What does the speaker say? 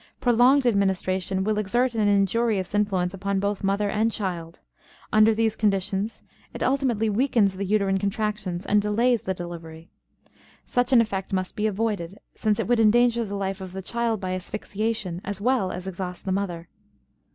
Prolonged administration will exert an injurious influence upon both mother and child; under these conditions it ultimately weakens the uterine contractions and delays the delivery. Such an effect must be avoided, since it would endanger the life of the child by asphyxiation as well as exhaust the mother.